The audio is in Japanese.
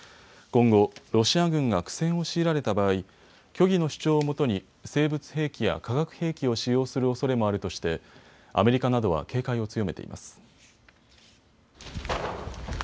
今後、ロシア軍が苦戦を強いられた場合、虚偽の主張をもとに生物兵器や化学兵器を使用するおそれもあるとしてアメリカなどは警戒を強めています。